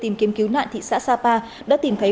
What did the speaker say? tìm kiếm cứu nạn thị xã sapa đã tìm thấy